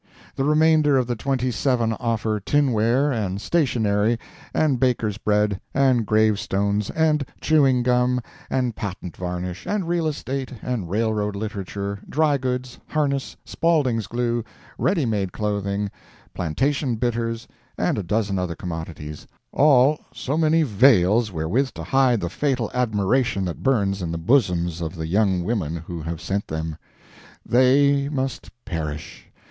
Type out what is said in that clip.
The remainder of the twenty seven offer tinware, and stationery, and baker's bread, and grave stones, and chewing gum, and patent varnish, and real estate, and railroad literature, dry goods, harness, Spaulding's glue, ready made clothing, plantation bitters, and a dozen other commodities—all so many veils wherewith to hide the fatal admiration that burns in the bosoms of the young women who have sent them. They must perish.